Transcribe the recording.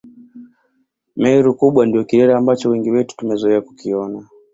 Meru kubwa ndio kilele ambacho wengi wetu tumezoea kukiona